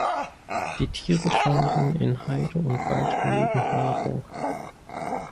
Die Tiere fanden in Heide und Wald genügend Nahrung.